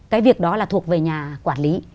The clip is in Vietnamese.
cái việc đó là thuộc về nhà quản lý